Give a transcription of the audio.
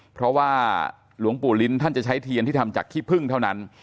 เพราะว่าหลวงปู่ลิ้นท่านจะใช้เทียนที่ทำจากขี้พึ่งเท่านั้น